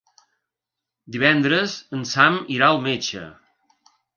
Divendres en Sam irà al metge.